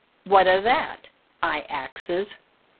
What o' that? I axes.